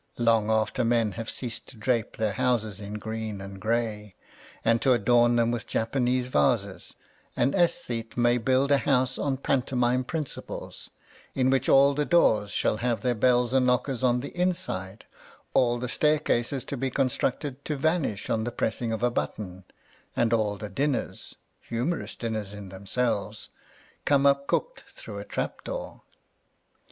Long after men have ceased to drape their houses in green and gray and to adorn them with Japanese vases, an aesthete may build a house on pantomime principles, in which all the doors shall have their bells A Defence of Farce and knockers on the inside, all the stair cases be constructed to vanish on the pressing of a button, and all the dinners (humorous dinners in themselves) come up cooked through a trap door.